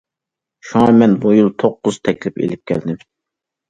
شۇڭا مەن بۇ يىل توققۇز تەكلىپ ئېلىپ كەلدىم.